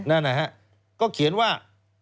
นั่นนะฮะก็เขียนว่า